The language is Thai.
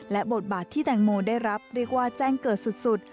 และบทบาทที่แตงโมได้รับเรียกว่าแจ้งเกิดสุด